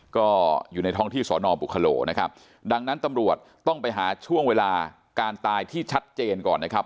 ก็อยู่ในท้องที่สอนอบุคโลนะครับดังนั้นตำรวจต้องไปหาช่วงเวลาการตายที่ชัดเจนก่อนนะครับ